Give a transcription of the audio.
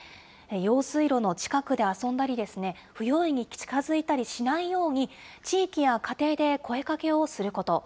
用水路の近くで遊んだりですね、不用意に近づいたりしないように、地域や家庭で声かけをすること。